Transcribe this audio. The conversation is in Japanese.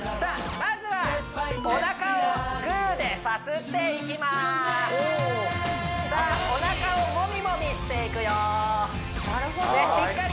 まずはおなかをグーでさすっていきますさあおなかをモミモミしていくよでしっかり